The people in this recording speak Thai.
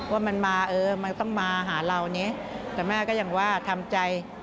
ว่ามันมาเออมันต้องมาหาเรานี้แต่แม่ก็ยังว่าทำใจ